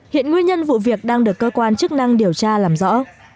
hiện nguyên nhân vụ việc đang được cơ quan chức năng điều tra làm rõ